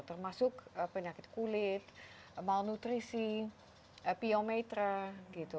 termasuk penyakit kulit malnutrisi epiometer gitu